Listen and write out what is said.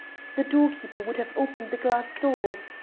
The doorkeeper would have opened the glass door....